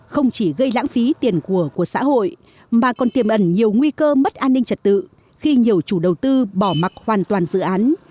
không chỉ gây lãng phí tiền của xã hội mà còn tiềm ẩn nhiều nguy cơ mất an ninh trật tự khi nhiều chủ đầu tư bỏ mặt hoàn toàn dự án